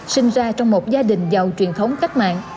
sinh ra trong một gia đình giàu truyền thống cách mạng